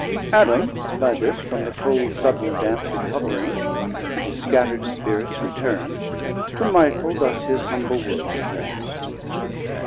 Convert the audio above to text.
Adam by this from the cold sudden damp Recovering, and his scatterd spirits returnd, To Michael thus his humble words addressd.